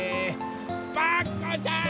パクこさん！